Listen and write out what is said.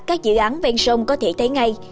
các dự án bên sông có thể thấy ngay